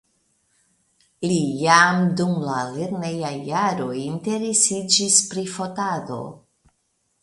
Li jam dum la lernejaj jaroj interesiĝis pri fotado.